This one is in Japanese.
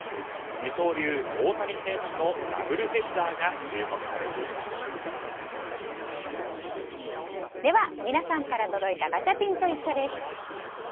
二刀流、大谷選手のダブルヘッダーがでは皆さんから届いたガチャピンといっしょ！です。